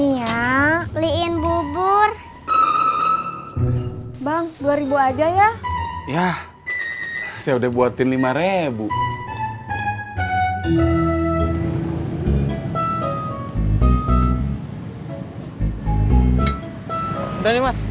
ngakliin bubur bang rp dua aja ya ya saya udah buatin rp lima udah nih mas